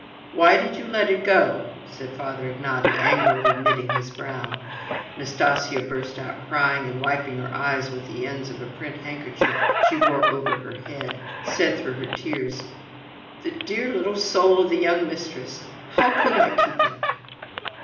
"Why did you let it go?" said Father Ignaty, angrily knitting his brows. Nastasya burst out crying, and wiping her eyes with the ends of a print handkerchief she wore over her head, said through her tears: "The dear little soul of the young mistress. How could I keep it?"